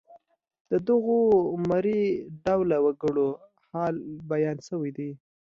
د دغو مري ډوله وګړو حالت بیان شوی دی.